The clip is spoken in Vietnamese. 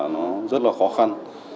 nó rất là khó khăn